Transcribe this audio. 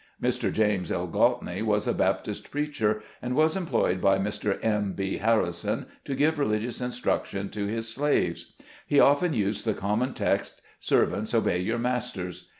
Mr. James L. Goltney was a Baptist preacher, and was employed by Mr. M. B. Harrison to give religious instruction to his slaves. He often used the common text: "Servants, obey your masters.''